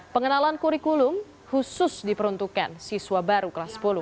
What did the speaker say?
pengenalan kurikulum khusus diperuntukkan siswa baru kelas sepuluh